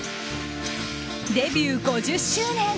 デビュー５０周年。